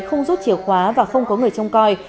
không rút chìa khóa và không có người trông coi